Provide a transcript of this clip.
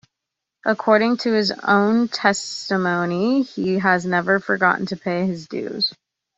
According to his own testimony, he has never forgotten to pay his dues.